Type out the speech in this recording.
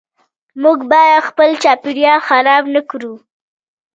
موږ باید خپل چاپیریال خراب نکړو .